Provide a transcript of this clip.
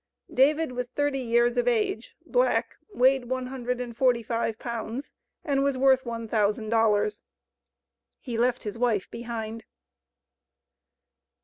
David was thirty years of age, black, weighed one hundred and forty five pounds, and was worth one thousand dollars. He left his wife behind.